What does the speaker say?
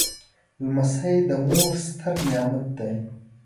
لمسی د مور ستر نعمت دی.